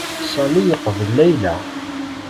Sami yeqbel Layla.